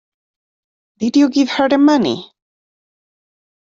Did you give her the money?